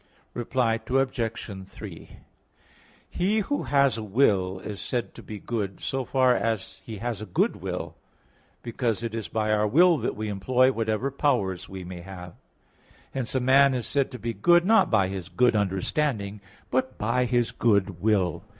Reply Obj. 3: He who has a will is said to be good, so far as he has a good will; because it is by our will that we employ whatever powers we may have. Hence a man is said to be good, not by his good understanding; but by his good will.